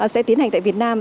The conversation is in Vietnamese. sẽ tiến hành tại việt nam